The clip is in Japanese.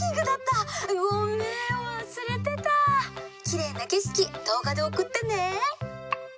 きれいなけしきどうがでおくってね。